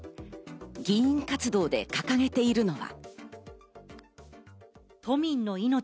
議員活動で掲げているのは。